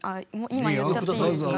今言っちゃっていいですか？